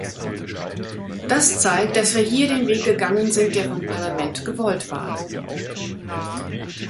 Das zeigt, dass wir hier den Weg gegangen sind, der vom Parlament gewollt war.